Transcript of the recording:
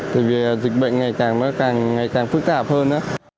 tại vì dịch bệnh ngày càng phức tạp hơn